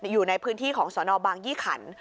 อยู่ในพื้นที่ของสนบางยี่ขัน